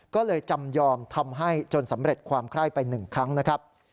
ก็เลยจำยอมทำให้จนสำเร็จความไคร้ไป๑ครั้งนะครับ